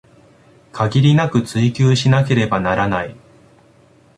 限りなく追求しなければならない